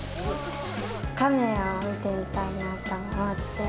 カメを見てみたいなと思って。